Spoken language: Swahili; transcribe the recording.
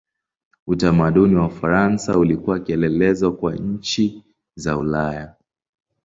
Utamaduni wa Ufaransa ulikuwa kielelezo kwa nchi za Ulaya.